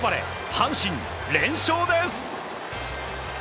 阪神、連勝です。